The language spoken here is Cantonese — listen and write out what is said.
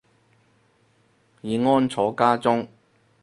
已安坐家中